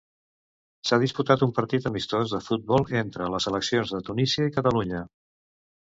S'ha disputat un partit amistós de futbol entre les seleccions de Tunísia i Catalunya.